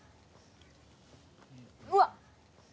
うわっ！